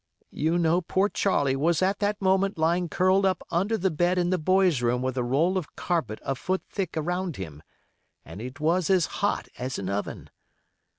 You know poor Charlie was at that moment lying curled up under the bed in the boys' room with a roll of carpet a foot thick around him, and it was as hot as an oven.